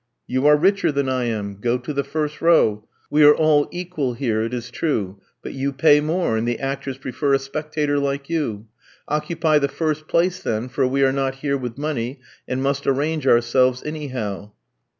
"You are richer than I am. Go to the first row. We are all equal here, it is true; but you pay more, and the actors prefer a spectator like you. Occupy the first place then, for we are not here with money, and must arrange ourselves anyhow."